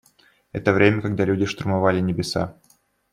Это время, когда люди штурмовали небеса.